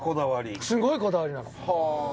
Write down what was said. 長嶋：すごいこだわりなの。